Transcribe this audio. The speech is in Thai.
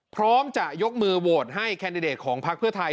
พร้อมจะยกมือโหวตให้แคนดิเดตของพักเพื่อไทย